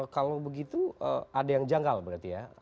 kalau begitu ada yang janggal berarti ya